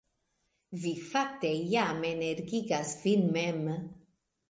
Vi fakte jam energigas vin mem